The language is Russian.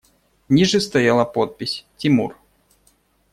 Ниже стояла подпись: «Тимур».